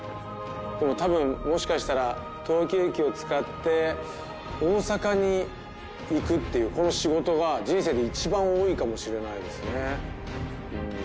でも多分もしかしたら東京駅を使って大阪に行くっていうこの仕事が人生で一番多いかもしれないですね。